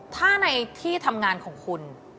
ถ้าในที่ทำงานของคุณ